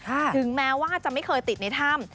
ถึงแม้ว่าจะไม่เคยติดในถ้ำ